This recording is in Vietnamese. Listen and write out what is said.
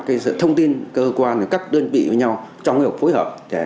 cái sự thông tin cơ quan và các đơn vị với nhau trong cái hợp phối hợp